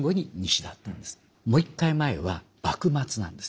もう一回前は幕末なんです。